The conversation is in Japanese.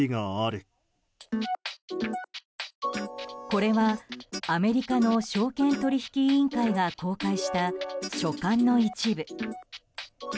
これはアメリカの証券取引委員会が公開した書簡の一部。